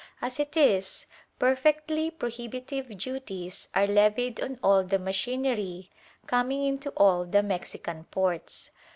As it is, perfectly prohibitive duties are levied on all the machinery coming into all the Mexican ports.